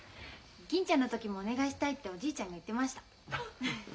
銀ちゃんの時もお願いしたいっておじいちゃんが言ってました。